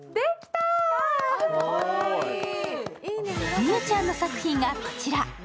美羽ちゃんの作品がこちら。